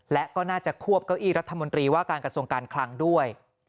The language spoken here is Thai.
และก็น่าจะควบเก้าอี้รัฐมนตรีว่าการกระทรวงการคลังด้วย